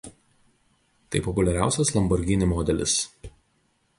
Tai populiariausias Lamborghini modelis.